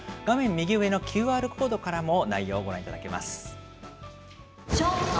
右上のＱＲコードからも内容をご覧いただけます。